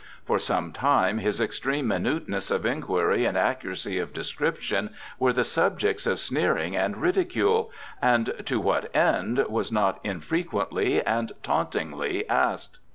For some time his extreme minuteness of inquiry and accuracy of description were the subjects of sneering and ridicule, and "To what end?" was not infrequently and tauntingly asked.